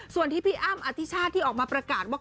ส่วนที่พี่อ้ำอธิชาติที่ออกมาประกาศว่า